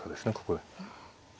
ここで。